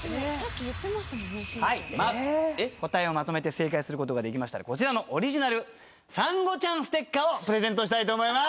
正解することができましたらこちらのオリジナルサンゴちゃんステッカーをプレゼントしたいと思います。